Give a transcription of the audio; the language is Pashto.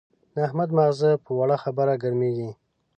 د احمد ماغزه په وړه خبره ګرمېږي.